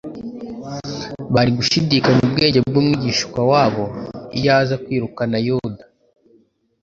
Bari gnshidikanya ubwenge bw'Umwigisha-wabo iyo aza kwirukana Yuda.